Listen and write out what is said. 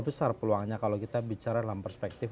besar peluangnya kalau kita bicara dalam perspektif